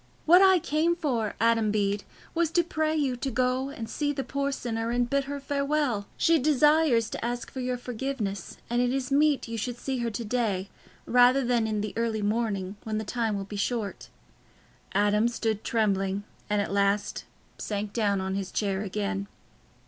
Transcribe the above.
What I came for, Adam Bede, was to pray you to go and see the poor sinner and bid her farewell. She desires to ask your forgiveness, and it is meet you should see her to day, rather than in the early morning, when the time will be short." Adam stood trembling, and at last sank down on his chair again.